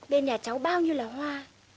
bên nhà cháu bao nhiêu là hoa